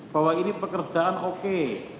bahwa ini pekerjaan oke